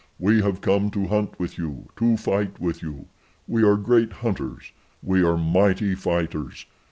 We have come to hunt with you, to fight with you. We are great hunters. We are mighty fighters.